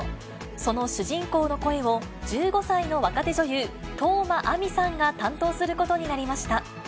その主人公の声を、１５歳の若手女優、當真あみさんが担当することになりました。